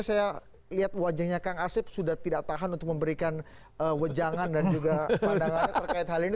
saya lihat wajahnya kang asep sudah tidak tahan untuk memberikan wejangan dan juga pandangannya terkait hal ini